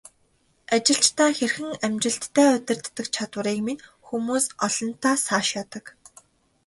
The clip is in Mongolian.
Ажилчдаа хэрхэн амжилттай удирддаг чадварыг минь хүмүүс олонтаа сайшаадаг.